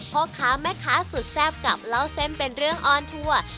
พ่อค้าแม่ค้าสุดแซ่บกับเล่าเส้นเป็นเรื่องออนทัวร์